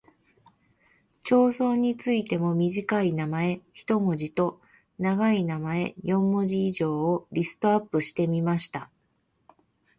町村についても短い名前（一文字）と長い名前（四文字以上）をリストアップしてみました。